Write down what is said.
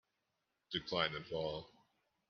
Decline and fall.